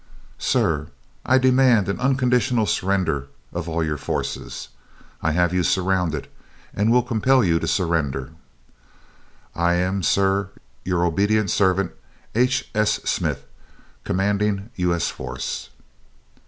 Sir: I demand an unconditional surrender of all of your forces. I have you surrounded, and will compel you to surrender. I am, sir, your obedient servant, H. S. SMITH, Commanding U. S. Force.